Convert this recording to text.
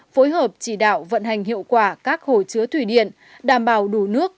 phối hợp chỉ đạo vận hành hiệu quả các hồ chứa thủy điện đảm bảo đủ nước